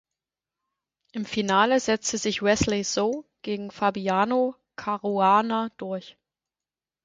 Im Finale setzte sich Wesley So gegen Fabiano Caruana durch.